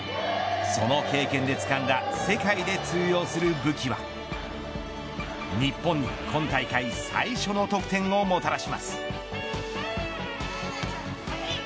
その経験でつかんだ世界で通用する武器は日本に今大会最初の得点をもたらします。